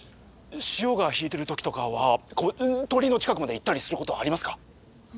潮が引いてるときとかは鳥居の近くまで行ったりすることはありますか？